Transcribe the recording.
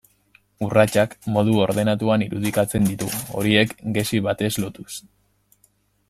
Urratsak modu ordenatuan irudikatzen ditu, horiek gezi batez lotuz.